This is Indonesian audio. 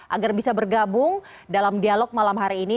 agar bisa bergabung dalam dialog malam hari ini